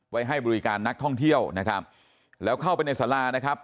ไว้ให้บริการนักท่องเที่ยวนะครับแล้วเข้าไปในสารานะครับ